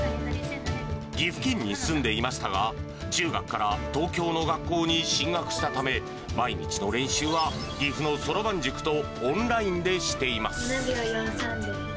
岐阜県に住んでいましたが、中学から東京の学校に進学したため、毎日の練習は岐阜のそろばん塾とオンラインでしています。